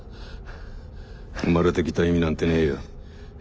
生まれてきた意味なんてねえよ。